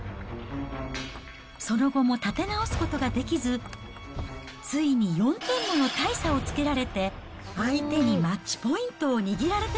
その後も立て直すことができず、ついに４点もの大差をつけられて相手にマッチポイントを握られて